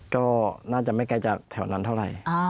ก็น่าจะไม่ไกลจากแถวนั้นเท่าไหร่